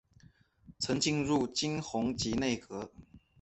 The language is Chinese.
曾进入金弘集内阁。